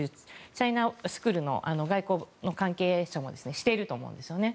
チャイナスクールの外交関係者もしていると思うんですよね。